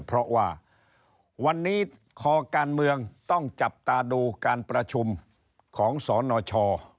เพราะว่าวันนี้คอการเมืองต้องจับตาดูการประชุมของสนช